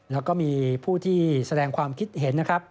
แล้วก็มีผู้ที่แสดงความคิดเห็นนะครับ